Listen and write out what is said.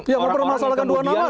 ya mempermasalahkan dua nama